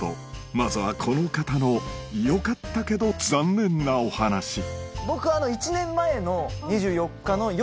まずはこの方のよかったけど残念なお話僕。